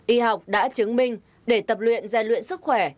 y học đã chứng minh để tập luyện gian luyện sức khỏe